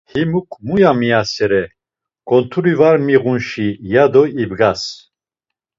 Himuk muya miyasere, konturi var miğunşi ya do ibgas!